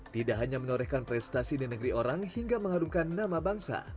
tidak hanya menorehkan prestasi di negeri orang hingga mengharumkan nama bangsa